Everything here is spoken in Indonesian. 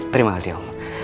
terima kasih om